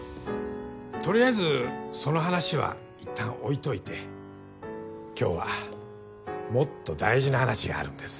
取りあえずその話はいったん置いといて今日はもっと大事な話があるんです。